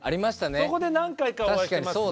そこで何回かお会いしますもん。